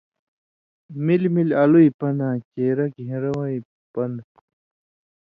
مِلیۡ مِلیۡ الُوئ پن٘داں چېرہ گھېن٘رہ وَیں پن٘دہۡ